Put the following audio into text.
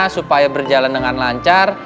supaya berjalan dengan lancar